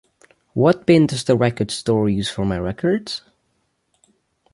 What bin does the record store use for my records?